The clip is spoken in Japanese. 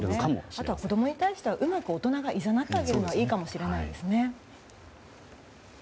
あとは子供に対しては大人がいざなってあげるのがいいかもしれないですね。